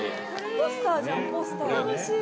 ポスターじゃん、ポスター。